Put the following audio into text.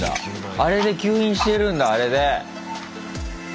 あれで吸引してるんだあれで。